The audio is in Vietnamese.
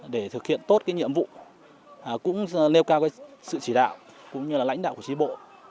để thực hiện tốt cái nhiệm vụ cũng nêu cao cái sự chỉ đạo cũng như là lãnh đạo của trí bộ